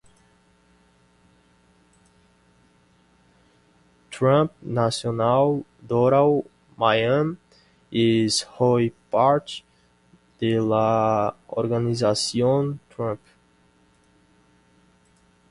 Trump Nacional Doral Miami es hoy parte de la Organización Trump.